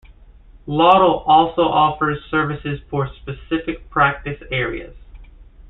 Lawtel also offers services for specific practice areas.